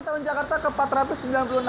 tahun jakarta ke empat ratus sembilan puluh enam